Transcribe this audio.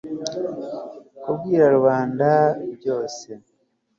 kubwira rubanda byose